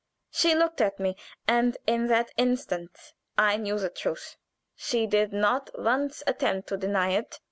She looked at me, and in that instant I knew the truth. She did not once attempt to deny it.